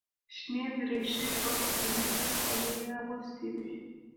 شنې دریشۍ او اوسپنیزې خولۍ یې اغوستې وې.